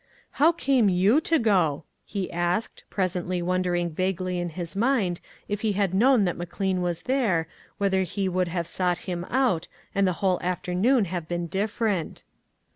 " How came you to go ?" he asked, presently wondering vaguely in his mind if he had known *that McLean was there, whether he would have sought him out, and the whole afternoon have been different.